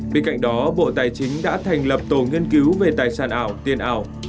bên cạnh đó bộ tài chính đã thành lập tổ nghiên cứu về tài sản ảo tiền ảo